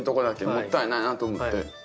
もったいないなと思って。